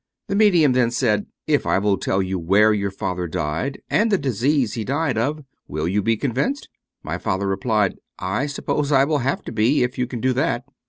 The medium then said, " If I will tell you where your father died, and the disease he died of, will you be convinced ?" My father replied, " I suppose I will have to be, if you can do that."